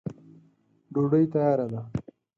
ډوډی تیاره ده.